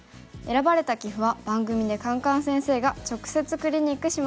選ばれた棋譜は番組でカンカン先生が直接クリニックします。